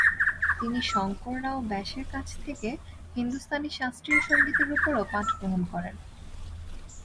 তিনি শঙ্কর রাও ব্যাসের কাছ থেকে হিন্দুস্তানি শাস্ত্রীয় সংগীতের উপরও পাঠ গ্রহণ করেন।